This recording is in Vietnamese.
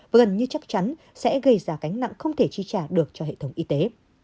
và gần như chắc chắn sẽ gây ra cánh nặng không thể chi trả được cho hệ thống y tế